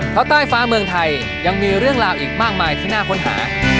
เพราะใต้ฟ้าเมืองไทยยังมีเรื่องราวอีกมากมายที่น่าค้นหา